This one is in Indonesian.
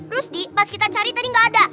rusdi pas kita cari tadi gak ada